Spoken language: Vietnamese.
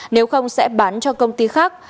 nếu không sẽ bán cho công ty khác